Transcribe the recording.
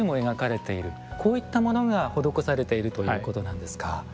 こういったものが施されているということなんですか。